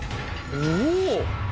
おお！